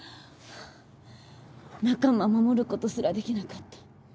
仲間守ることすらできなかった。